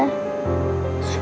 aku denger suara bunda